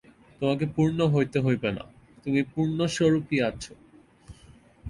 তোমাকে পূর্ণ হইতে হইবে না, তুমি পূর্ণস্বরূপই আছ।